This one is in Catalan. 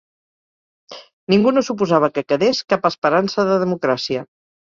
Ningú no suposava que quedés cap esperança de democràcia